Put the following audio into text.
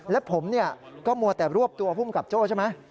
และผมก็มัวแต่รวบตัวภูมิกับโจ้ใช่ไหม